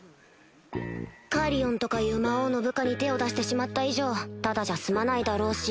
カリオンとかいう魔王の部下に手を出してしまった以上ただじゃ済まないだろうし